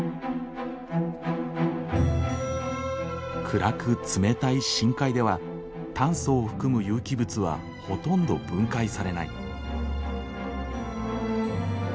暗く冷たい深海では炭素を含む有機物はほとんど分解されない。